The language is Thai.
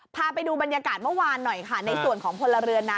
พาไปดูบรรยากาศเมื่อวานหน่อยค่ะในส่วนของพลเรือนนะ